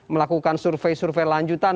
melakukan survei survei lanjutan